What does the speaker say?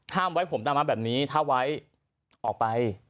ห้ามไว้ผมหน้าม้าแบบนี้ถ้าไว้ออกไป